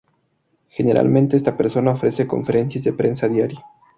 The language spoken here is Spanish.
Generalmente esta persona ofrece conferencias de prensa a diario.